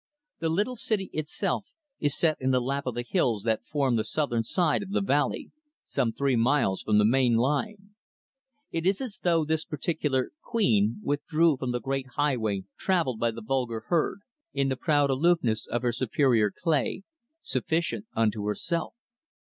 The little city, itself, is set in the lap of the hills that form the southern side of the valley, some three miles from the main line. It is as though this particular "Queen" withdrew from the great highway traveled by the vulgar herd in the proud aloofness of her superior clay, sufficient unto herself.